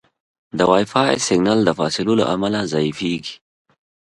د وائی فای سګنل د فاصلو له امله ضعیفېږي.